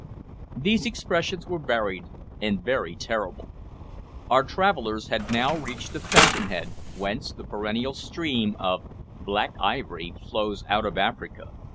These expressions were varied and very terrible. Our travellers had now reached the fountain head whence the perennial stream of "Black Ivory" flows out of Africa.